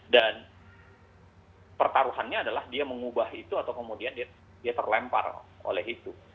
dan pertaruhannya adalah dia mengubah itu atau kemudian dia terlempar oleh itu